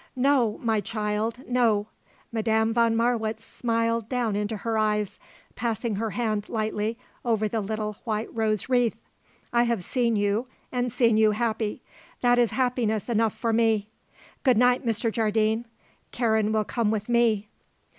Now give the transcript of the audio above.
"No, my child; no," Madame von Marwitz smiled down into her eyes, passing her hand lightly over the little white rose wreath. "I have seen you, and seen you happy; that is happiness enough for me. Good night, Mr. Jardine. Karen will come with me."